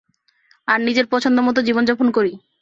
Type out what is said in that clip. আর নিজের পছন্দ মত জীবনযাপন করি।